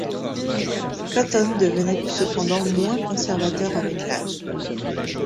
Cotton devenait cependant moins conservateur avec l'âge.